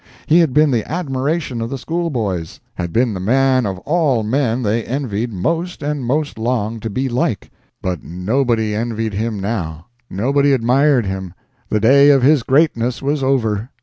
He had been the admiration of the school boys; had been the man of all men they envied most and most longed to be like. But nobody envied him now; nobody admired him; the day of his greatness was over.